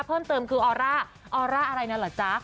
เพิ่มเติมคือออร่าออร่าอะไรนั้นเหรอจ๊ะ